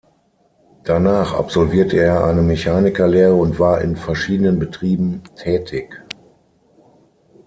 Danach absolvierte er eine Mechanikerlehre und war in verschiedenen Betrieben tätig.